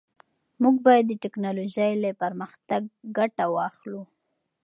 موږ باید د ټیکنالوژۍ له پرمختګ ګټه واخلو.